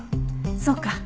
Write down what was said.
そうか。